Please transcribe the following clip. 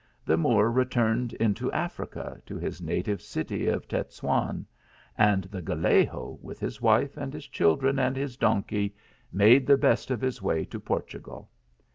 The Moor returned into Africa, to his native city of Tetuan, and the Gallego, with his wife, his children and his donkey, made the best of his way to Portugal.